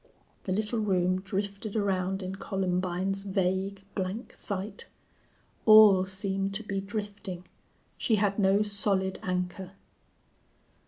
The little room drifted around in Columbine's vague, blank sight. All seemed to be drifting. She had no solid anchor.